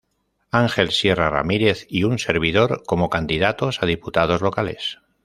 Ángel Sierra Ramírez y un servidor como candidatos a Diputados Locales.